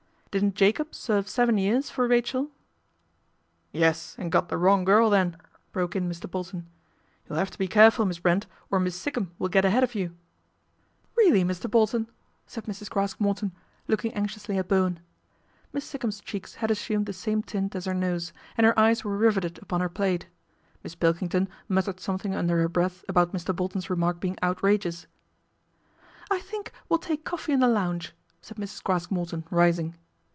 " Didn'1 Jacob serve seven years for Rachel ?"" Yes, and got the wrong girl then," brok( in Mr. Bolton. " You'll have to be careful Miss Brent, or Miss Sikkum will get ahead o you." GALVIN HOUSE MEETS A LORD 203 " Really, Mr. Bolton !" said Mrs. Craske Morton, looking anxiously at Bowen. Miss Sikkum's cheeks had assumed the same tint as her nose, and her eyes were riveted upon her plate. Miss Pilkington muttered something under her breath about Mr. Bolton's remark being outrageous. " I think we'll take coffee in the lounge," said Mrs. Craske Morton, rising.